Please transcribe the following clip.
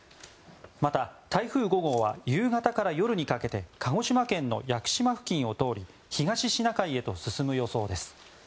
また台風５号は夕方から夜にかけ鹿児島県の屋久島付近を通り東シナ海へと進む予想です。